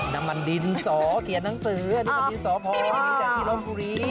น้ำมันดินสอเกลียดหนังสือนี่ก็ดินสอพองนี่ก็ดินล้มบุรี